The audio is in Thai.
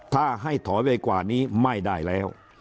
ถ้าให้ถอยไปกว่านี้ไม่ได้แล้ว